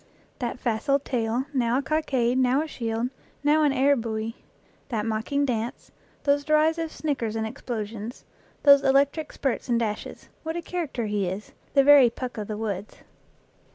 That facile tail, now a cockade, now a shield, now an air buoy; that mocking dance, those derisive snick ers and explosions ; those electric spurts and dashes what a character he is the very Puck of the woods